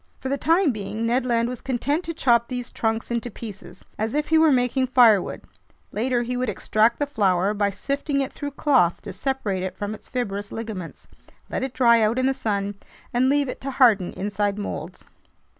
For the time being, Ned Land was content to chop these trunks into pieces, as if he were making firewood; later he would extract the flour by sifting it through cloth to separate it from its fibrous ligaments, let it dry out in the sun, and leave it to harden inside molds.